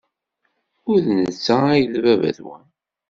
Ur d netta ay d baba-twen.